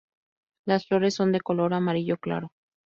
Las flores son de color amarillo claro.